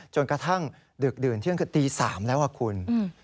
จนกระทั่งดึกดื่นที่ตี๓แล้วคุณ